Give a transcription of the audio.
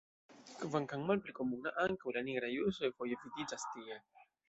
Kvankam malpli komuna, ankaŭ la nigraj ursoj foje vidiĝas tie.